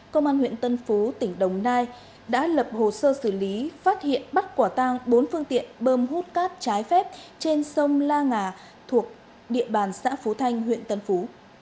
công an huyện tân phú tỉnh đồng nai đã lập hồ sơ xử lý phát hiện bắt quả tang bốn phương tiện bơm hút cát trái phép trên sông la ngà thuộc địa bàn xã phú thanh huyện tân phú